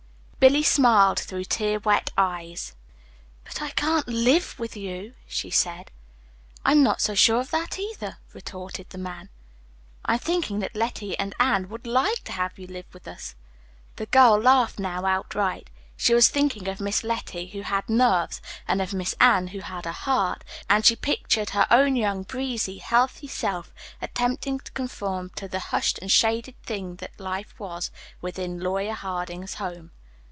Billy smiled through tear wet eyes. "But I can't LIVE with you," she said. "I'm not so sure of that, either," retorted the man. "I'm thinking that Letty and Ann would LIKE to have you with us." The girl laughed now outright. She was thinking of Miss Letty, who had "nerves," and of Miss Ann, who had a "heart"; and she pictured her own young, breezy, healthy self attempting to conform to the hushed and shaded thing that life was, within Lawyer Harding's home.